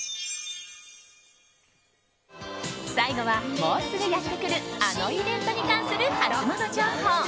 最後は、もうすぐやってくるあのイベントに関するハツモノ情報。